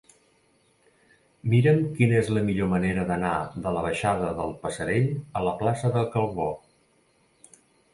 Mira'm quina és la millor manera d'anar de la baixada del Passerell a la plaça de Calvó.